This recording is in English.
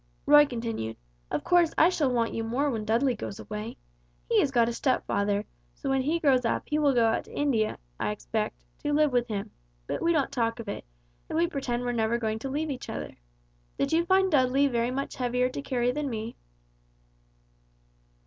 Roy continued: "Of course I shall want you more when Dudley goes away. He has got a stepfather, so when he grows up he will go out to India, I expect, to live with him, but we don't talk of it, and we pretend we're never going to leave each other. Did you find Dudley very much heavier to carry than me?"